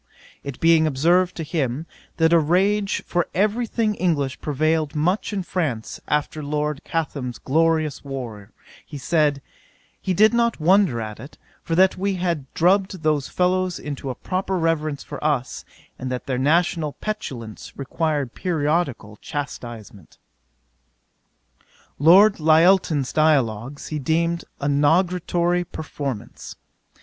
It being observed to him, that a rage for every thing English prevailed much in France after Lord Chatham's glorious war, he said, he did not wonder at it, for that we had drubbed those fellows into a proper reverence for us, and that their national petulance required periodical chastisement. 'Lord Lyttelton's Dialogues, he deemed a nugatory performance.